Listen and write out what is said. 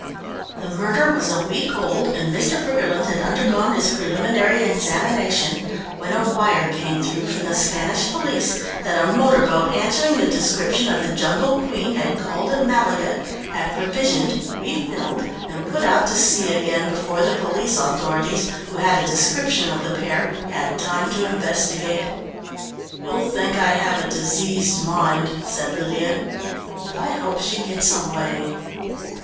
The murder was a week old, and Mr. Briggerland had undergone his preliminary examination, when a wire came through from the Spanish police that a motor boat answering the description of the Jungle Queen had called at Malaga, had provisioned, refilled, and put out to sea again, before the police authorities, who had a description of the pair, had time to investigate. "You'll think I have a diseased mind," said Lydia, "but I hope she gets away."